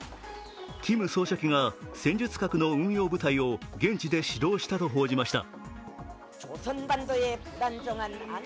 キム総書記が戦術核の運用部隊を現地で指導したと報じました。